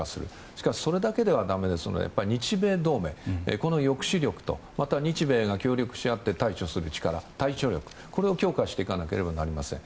しかし、それだけではだめですので日米同盟、この抑止力とまた日米が協力し合って対処する力、対処力これを強化していかなければなりません。